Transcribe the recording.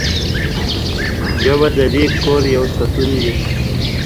ژبه د دې کور یو ستون دی.